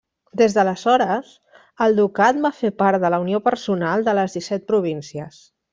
Des d'aleshores, el ducat va fer part de la unió personal de les Disset Províncies.